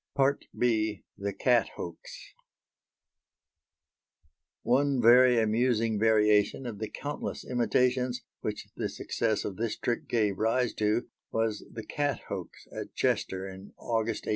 B. THE CAT HOAX One very amusing variation of the countless imitations, which the success of this trick gave rise to, was the "cat hoax" at Chester, in August, 1815.